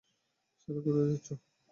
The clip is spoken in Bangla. সালি, কোথায় যাচ্ছো?